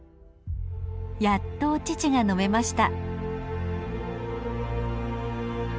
やっとお乳が飲めました。